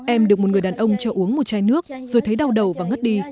em được một người đàn ông cho uống một chai nước rồi thấy đau đầu và ngất đi